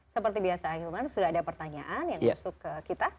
seperti biasa ahilman sudah ada pertanyaan yang masuk ke kita